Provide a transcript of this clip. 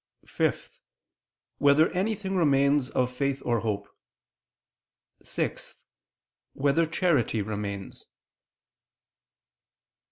(5) Whether anything remains of faith or hope? (6) Whether charity remains?